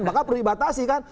maka perlu dibatasi kan